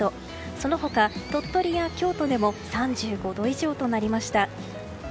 その他、鳥取や京都でも３５度以上となりました。